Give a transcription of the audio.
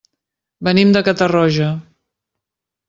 Venim de Catarroja.